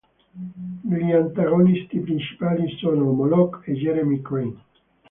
Gli antagonisti principali sono Moloch e Jeremy Crane.